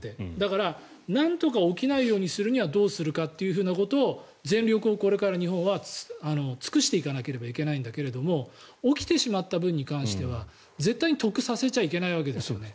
だからなんとか起きないようにするにはどうするかということを全力をこれから日本は尽くしていかなければいけないんだけれども起きてしまった分に関しては絶対に得させちゃいけないわけです。